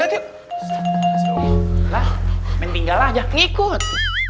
jalah menggunakannya ikut